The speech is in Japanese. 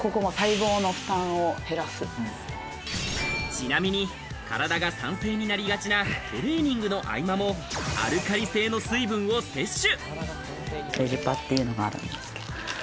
ちなみに体が酸性になりがちなトレーニングの合間もアルカリ性の水分を摂取。